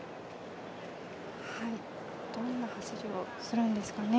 どんな走りをするんですかね。